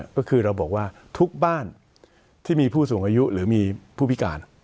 ก็คือเราบอกว่าทุกบ้านที่มีผู้สูงอายุหรือมีผู้พิการ